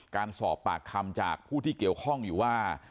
การสอบปากคำจากผู้ที่เกี่ยวข้องอยู่ว่า